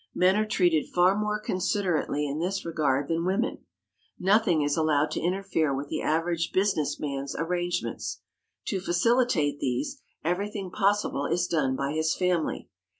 Men are treated far more considerately in this regard than women. Nothing is allowed to interfere with the average business man's arrangements. To facilitate these, everything possible is done by his family.